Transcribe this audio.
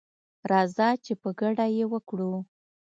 راځه چي په ګډه یې وکړو